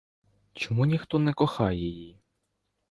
Чому ніхто не кохає її?